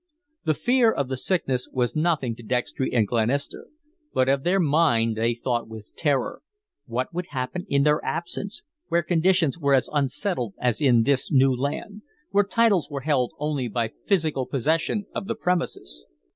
The fear of the sickness was nothing to Dextry and Glenister, but of their mine they thought with terror. What would happen in their absence, where conditions were as unsettled as in this new land; where titles were held only by physical possession of the premises?